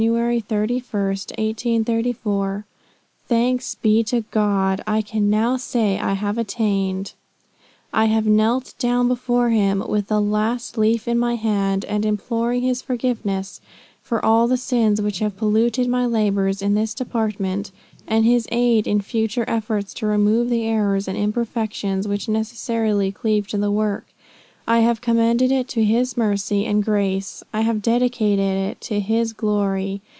31, 1834: "Thanks be to god, I can now say, I have attained! I have knelt down before him, with the last leaf in my hand, and imploring his forgiveness for all the sins which have polluted my labors in this department, and his aid in future efforts to remove the errors and imperfections which necessarily cleave to the work, I have commended it to his mercy and grace; I have dedicated it to his glory.